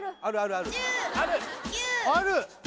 ある！